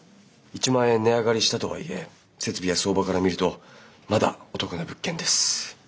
１万円値上がりしたとはいえ設備や相場から見るとまだお得な物件です。